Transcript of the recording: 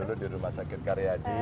dulu di rumah sakit karyadi